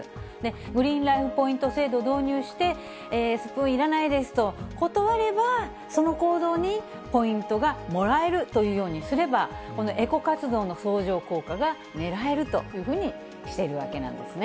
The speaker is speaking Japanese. グリーンライフ・ポイント制度を導入して、スプーンいらないですと断れば、その行動にポイントがもらえるというようにすれば、このエコ活動の相乗効果がねらえるというふうにしているわけなんですね。